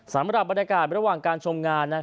สำหรับบรรยากาศระหว่างการชมงาน